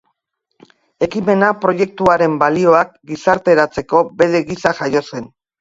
Ekimena proiektuaren balioak gizarteratzeko bide gisa jaio zen.